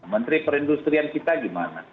menteri perindustrian kita gimana